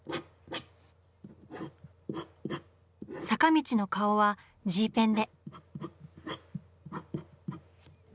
坂道の顔はＧペンで。